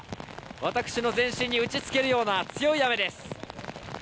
私の全身に打ち付けるような強い雨です。